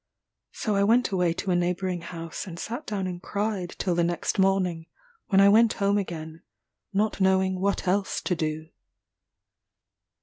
So I went away to a neighbouring house and sat down and cried till the next morning, when I went home again, not knowing what else to do.